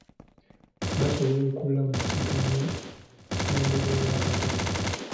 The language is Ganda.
Basobola okulamuzaganyiza mu mbuga ya katale.